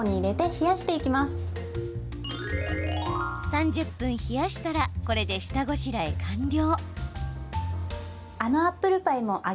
３０分冷やしたらこれで下ごしらえ完了。